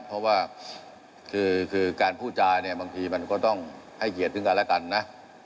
เพราะว่าการพูดจาบางทีมันก็ต้องให้เหยียดถึงกันแล้วกันนะ